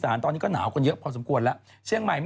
หรือเราจะเอาข่าวเลยไหม